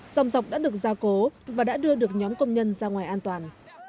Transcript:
dòng dọc đã được gia cố và đã đưa được nhóm công nhân ra ngoài an toàn